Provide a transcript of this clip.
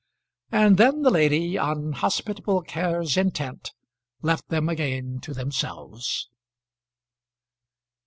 And then the lady, on hospitable cares intent, left them again to themselves.